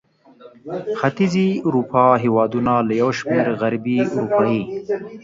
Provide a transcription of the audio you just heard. ختیځې اروپا هېوادونه له یو شمېر غربي اروپايي